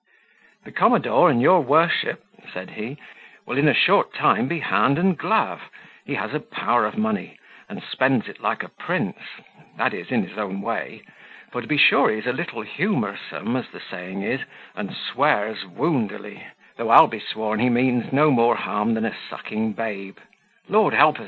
"The commodore and your worship," said he, "will in a short time be hand and glove, he has a power of money, and spends it like a prince that is, in his own way for to be sure he is a little humorsome, as the saying is, and swears woundily; though I'll be sworn he means no more harm than a sucking babe. Lord help us!